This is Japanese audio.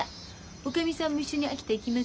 おかみさんも一緒に秋田行きます。